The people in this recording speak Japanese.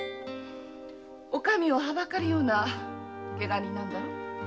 お上をはばかるようなけが人なんだろ？